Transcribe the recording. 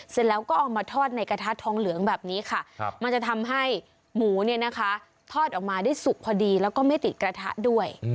เสร็จแล้วก็เอามาทอดในกระทะทองเหลืองแบบนี้ค่ะมันจะทำให้หมูเนี่ยนะคะทอดออกมาได้สุกพอดีแล้วก็ไม่ติดกระทะด้วย